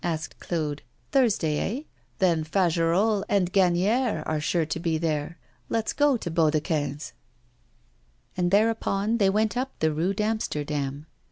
asked Claude. 'Thursday, eh? Then Fagerolles and Gagnière are sure to be there. Let's go to Baudequin's.' And thereupon they went up the Rue d'Amsterdam.